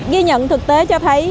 ghi nhận thực tế cho thấy